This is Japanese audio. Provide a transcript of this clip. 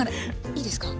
いいですか？